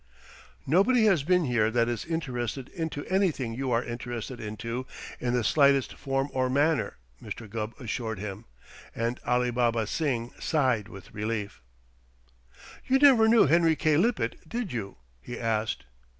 "Nobody has been here that is interested into anything you are interested into in the slightest form or manner," Mr. Gubb assured him, and Alibaba Singh sighed with relief. "You never knew Henry K. Lippett, did you?" he asked.